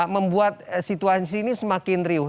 membuat situasi ini semakin riuh